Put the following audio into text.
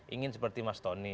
ingin seperti mas tony